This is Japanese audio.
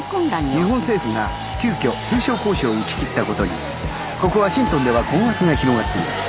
「日本政府が急きょ通商交渉を打ち切ったことにここワシントンでは困惑が広がっています。